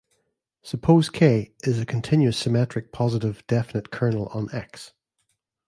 Suppose "K" is a continuous symmetric positive definite kernel on "X".